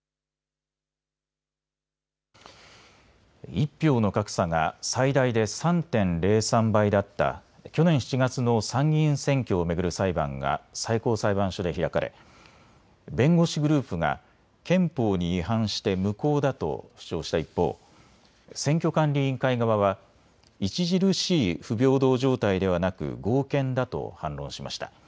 １票の格差が最大で３．０３倍だった去年７月の参議院選挙を巡る裁判が最高裁判所で開かれ弁護士グループが憲法に違反して無効だと主張した一方、選挙管理委員会側は著しい不平等状態ではなく合憲だと反論しました。